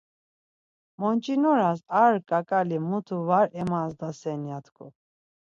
Monç̌inoras ar ǩaǩali mutu var emazdasen ya tku.